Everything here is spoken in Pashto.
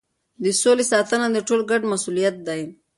د سولې ساتنه د ټولو ګډ مسؤلیت دی.